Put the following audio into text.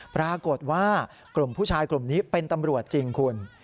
ปรากฏว่ากลุ่มผู้ชายกลุ่มนี้เป็นตำรวจจริงคุณ